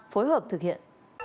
phối hợp thực hiện